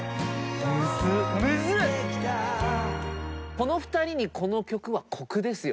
この２人にこの曲は酷ですよ